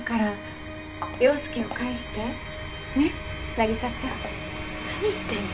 凪沙ちゃん。何言ってんの？